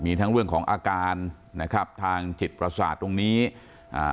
มีทั้งเรื่องของอาการนะครับทางจิตประสาทตรงนี้อ่า